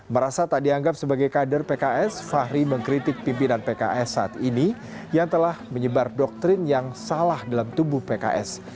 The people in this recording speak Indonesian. merasa tak dianggap sebagai kader pks fahri mengkritik pimpinan pks saat ini yang telah menyebar doktrin yang salah dalam tubuh pks